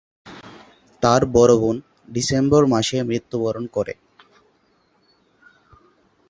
তার বড় বোন ডিসেম্বর মাসে মৃত্যুবরণ করে।